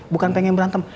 bukan pengen berantem